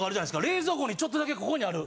冷蔵庫にちょっとだけここにある。